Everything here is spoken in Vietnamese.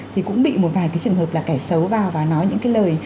thì cũng bị một vài cái trường hợp là kẻ xấu vào và nói những cái lời